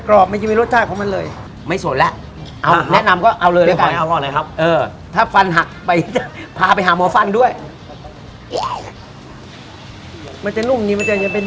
ขอและครับอ๋อแหม่ถ้าทานบางถ้ามีซอสขาวราดจะเป็น